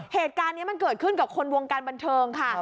เหตุการณ์นี้มันเกิดขึ้นกับคนวงการบันเทิงค่ะ